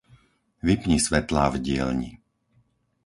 Vypni svetlá v dielni.